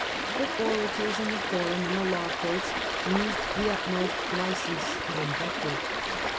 But orators in the Forum and the law courts used the utmost license of invective.